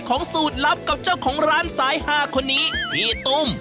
สูตรลับกับเจ้าของร้านสายหาคนนี้พี่ตุ้ม